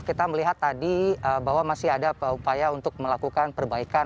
kita melihat tadi bahwa masih ada upaya untuk melakukan perbaikan